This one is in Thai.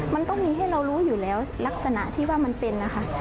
มันต้องมีให้เรารู้อยู่แล้วลักษณะที่ว่ามันเป็นนะคะ